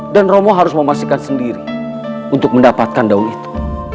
romo harus memastikan sendiri untuk mendapatkan daun itu